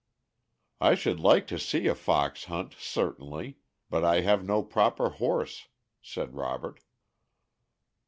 "I should like to see a fox hunt, certainly, but I have no proper horse," said Robert.